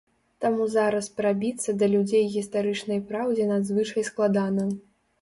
Таму зараз прабіцца да людзей гістарычнай праўдзе надзвычай складана.